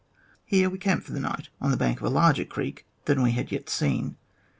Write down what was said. Here we camped for the night on the bank of a larger creek than we had yet seen.